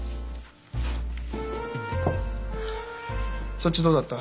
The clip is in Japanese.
そっちどうだった？